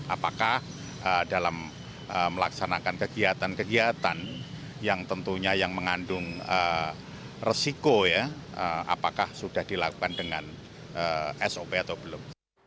apakah dalam melaksanakan kegiatan kegiatan yang tentunya yang mengandung resiko ya apakah sudah dilakukan dengan sop atau belum